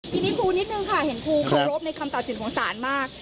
ที่นี้คุณนิกหนึ่งค่ะเห็นคุณเขาโรบในคำตัดสินของศาลมาก